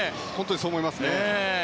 そう思いますね。